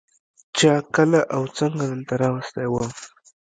چا کله او څنگه دلته راوستى وم.